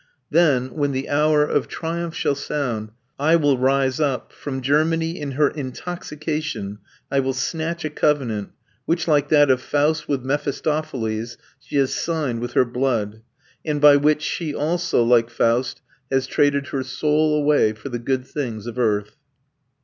Then when the hour of triumph shall sound, I will rise up; from Germany, in her intoxication, I will snatch a covenant, which, like that of Faust with Mephistopheles, she has signed with her blood, and by which she also, like Faust, has traded her soul away for the good things of earth."